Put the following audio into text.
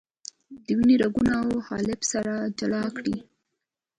د وینې رګونه او حالب سره جلا کړئ.